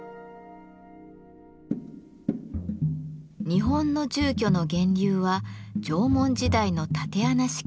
日本の住居の源流は縄文時代の竪穴式住居。